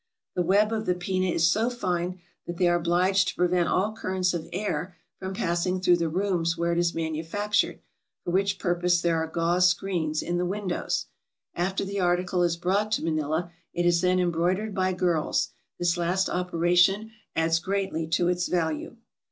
The web of the pina is so fine that they are obliged to prevent all currents of air from passing through the rooms where it is manufactured, for which purpose there 408 TRAVELERS AND EXPLORERS are gauze screens in the windows. After the article is brought to Manila, it is then embroidered by girls ; this last operation adds greatly to its value.